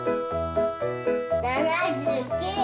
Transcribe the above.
７９！